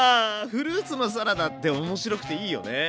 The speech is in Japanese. フルーツのサラダって面白くていいよね。